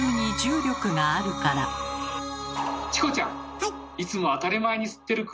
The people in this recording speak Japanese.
チコちゃん！